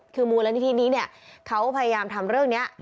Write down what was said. คือมูลนิธินี้เนี่ยเขาพยายามทำเรื่องนี้